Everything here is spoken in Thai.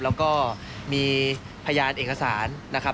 แล้วก็มีพยานเอกสารนะครับ